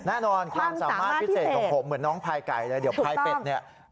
แน่นอนความสามารถพิเศษของผมเหมือนน้องพัยไก่แต่เดี๋ยวพัยเป็ดเนี่ยความสามารถพิเศษ